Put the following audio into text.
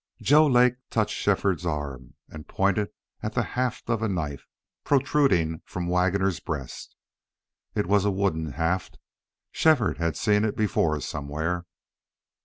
Joe Lake touched Shefford's arm and pointed at the haft of a knife protruding from Waggoner's breast. It was a wooden haft. Shefford had seen it before somewhere.